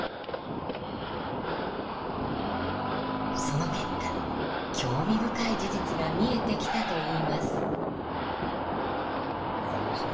その結果興味深い事実が見えてきたといいます。